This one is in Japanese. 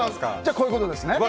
こういうことですね。